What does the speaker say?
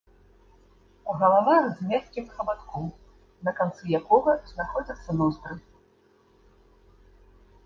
Галава з мяккім хабатком, на канцы якога знаходзяцца ноздры.